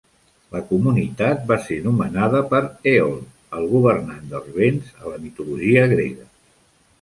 La comunitat va ser nomenada per Èol, el governant dels vents a la mitologia grega.